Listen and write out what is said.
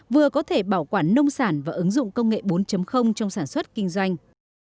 vừa có thể bảo quản nông sản và ứng dụng công nghệ bốn trong sản xuất kinh doanh